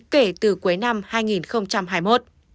kể từ cuối năm hai nghìn hai mươi một